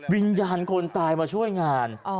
วิญญาณคนตายมาช่วยงาน